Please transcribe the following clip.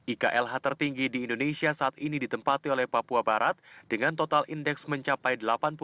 iklh tertinggi di indonesia saat ini ditempati oleh papua barat dengan total indeks mencapai delapan puluh tujuh